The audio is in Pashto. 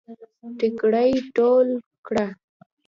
ټيکړی ټول کړه